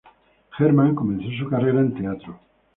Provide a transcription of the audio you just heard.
Herrmann comenzó su carrera en teatro.